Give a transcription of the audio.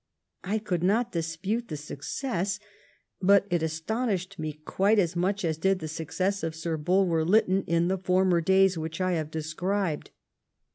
I could not dispute the success, but it astonished me quite as much as did the success of Sir Bulwer Lytton in the former days which I have described.